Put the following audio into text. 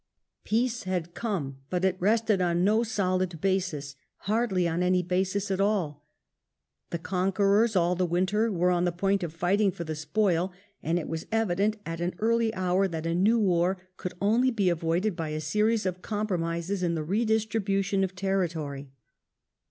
Peace had come, but it rested on no solid basis, hardly on any basis at alL The conquerors all the winter were on the point of fighting for the spoil, and it was evident at an early hour that a new war could only be avoided by a series of compromises in the redistribu tion of territory.